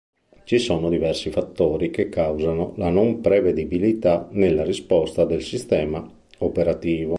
Ci sono diversi fattori che causano la "non prevedibilità" nella risposta del sistema operativo.